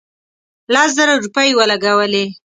لس زره روپۍ ولګولې.